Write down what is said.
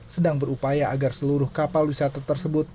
sedang berupaya agar seluruh kapal wisata tersebut